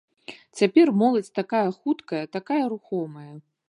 Цяпер моладзь такая хуткая, такая рухомая.